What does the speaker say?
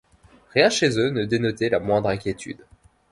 Rien chez eux ne dénotait la moindre inquiétude.